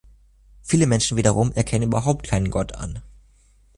Viele Menschen wiederum erkennen überhaupt keinen Gott an.